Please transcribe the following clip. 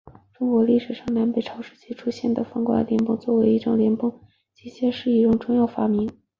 中国历史上南北朝时期出现的方板链泵作为一种链泵是泵类机械的一项重要发明。